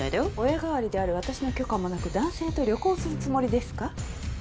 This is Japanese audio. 親代わりである私の許可もなく男性と旅行するつもりですか？